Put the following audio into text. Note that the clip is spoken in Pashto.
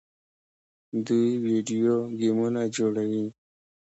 دوی ویډیو ګیمونه جوړوي.